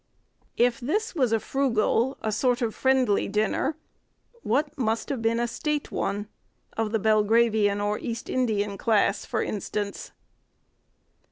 If this was a frugal—a sort of friendly—dinner, what must have been a state one—of the Belgravian or East Indian class, for instance?